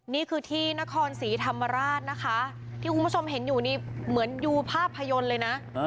นี่คือที่นครศรีธรรมราชนะคะที่คุณผู้ชมเห็นอยู่นี่เหมือนดูภาพยนตร์เลยนะ